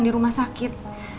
di rumah sakit